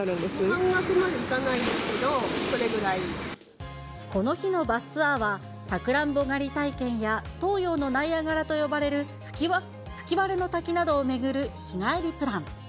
半額までいかないですけど、この日のバスツアーは、さくらんぼ狩り体験や、東洋のナイアガラと呼ばれる吹割の滝などを巡る日帰りプラン。